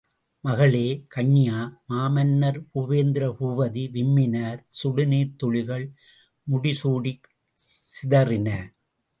மகளே கன்யா! மாமன்னர் பூபேந்திர பூபதி விம்மினார் சுடுநீர்த் துளிகள் முடிசூடிச் சிதறின!